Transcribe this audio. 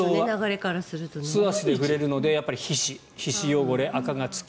素足で触れるので皮脂汚れあかがつき